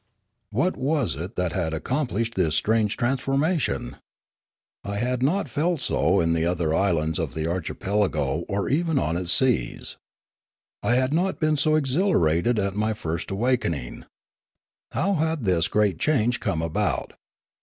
What was it that had accomplished this strange transformation ? I had not felt so in the other islands My Awakening 5 of the archipelago or even on its seas. I had not been so exhilarated at my first awaking. How had this great change come about